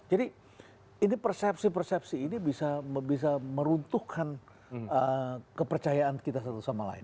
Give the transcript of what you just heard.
jadi ini persepsi persepsi ini bisa meruntuhkan kepercayaan kita satu sama lain